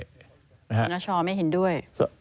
นชไม่เห็นด้วย